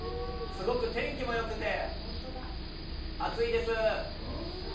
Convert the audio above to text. すごく天気もよくて、暑いです。